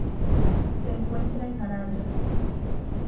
Se encuentra en Arabia.